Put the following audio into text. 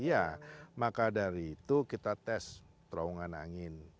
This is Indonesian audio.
ya maka dari itu kita tes perawangan angin